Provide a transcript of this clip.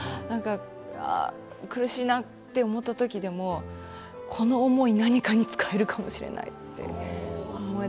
やっぱり私は舞台かな苦しいなと思った時でもこの思い何かに使えるかもしれないと。